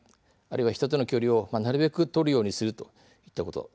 人との距離をなるべく取るようにするといったことです。